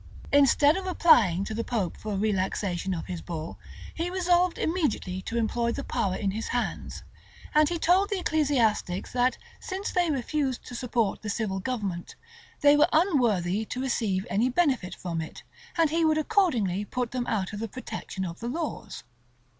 Instead of applying to the pope for a relaxation of his bull, he resolved immediately to employ the power in his hands; and he told the ecclesiastics that, since they refused to support the civil government, they were unworthy to receive any benefit from it; and he would accordingly put them out of the protection of the laws.